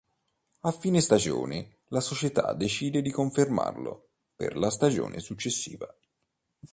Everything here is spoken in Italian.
A fine stagione la società decide di confermarlo per la stagione successiva.